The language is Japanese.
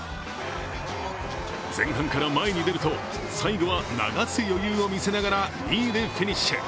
前半から前に出ると最後は流す余裕を見せながら２位でフィニッシュ。